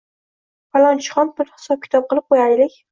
Falonchixon bir hisob-kitob qilib qoʻyaylik